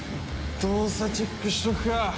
動作チェックしとくか。